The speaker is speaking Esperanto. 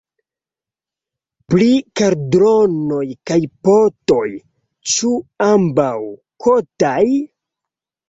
Pri kaldronoj kaj potoj: ĉu ambaŭ kotaj?